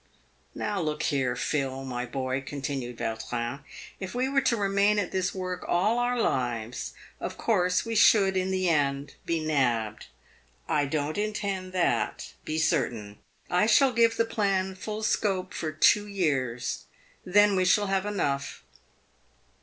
" Now look here, Phil, my boy," continued Yautrin, " if we were to remain at this work all our lives, of course we should in the end be nabbed. I don't intend that, be certain. I shall give the plan full scope for two years. Then we shall have enough.